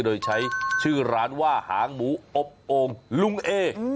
โดยใช้ชื่อร้านว่าหางหมูอบโอ่งลุงเอ